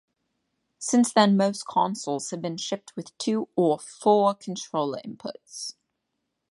Since then, most consoles have been shipped with two or four controller inputs.